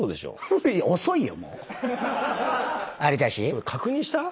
それ確認した？